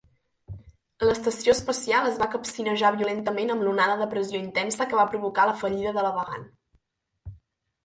L'estació espacial es va capcinejar violentament amb l'onada de pressió intensa que va provocar la fallida de la bagant.